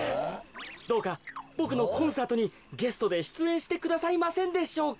どうかボクのコンサートにゲストでしゅつえんしてくださいませんでしょうか。